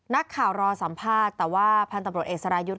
นักข่าวรอสัมภาษณ์แต่ว่าพันธุ์ตำรวจเอกสรายุทธ์